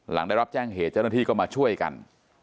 หลังได้รับแจ้งเหตุเจ้าหน้าที่ก็มาช่วยกัน